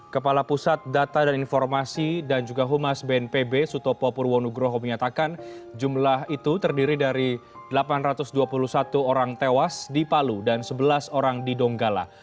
kepala pusat data dan informasi dan juga humas bnpb sutopo purwonugroho menyatakan jumlah itu terdiri dari delapan ratus dua puluh satu orang tewas di palu dan sebelas orang di donggala